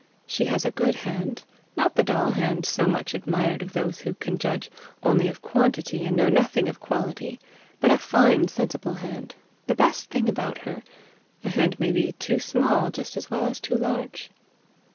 She has a good hand not the doll hand so much admired of those who can judge only of quantity and know nothing of quality, but a fine sensible hand, the best thing about her: a hand may be too small just as well as too large.